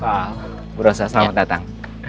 pak bu rossa selamat datang